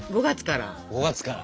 ５月から？